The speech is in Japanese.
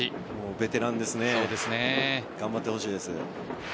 ベテランですね。頑張ってほしいです。